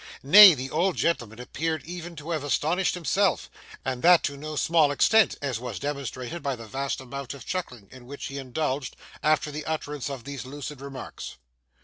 Nay, the old gentleman appeared even to have astonished himself, and that to no small extent, as was demonstrated by the vast amount of chuckling in which he indulged, after the utterance of these lucid remarks.